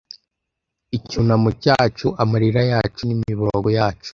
icyunamo cyacu amarira yacu n'imiborogo yacu